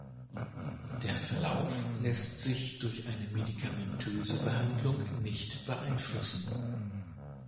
Der Verlauf lässt sich durch eine medikamentöse Behandlung nicht beeinflussen.